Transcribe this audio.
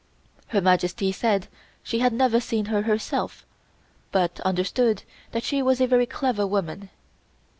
Her Majesty said she had never seen her herself, but understood that she was a very clever woman.